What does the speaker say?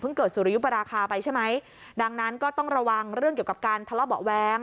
เกิดสุริยุปราคาไปใช่ไหมดังนั้นก็ต้องระวังเรื่องเกี่ยวกับการทะเลาะเบาะแว้ง